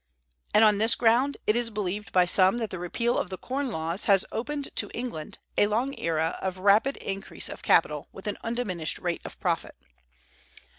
And on this ground it is believed by some that the repeal of the corn laws has opened to [England] a long era of rapid increase of capital with an undiminished rate of profit.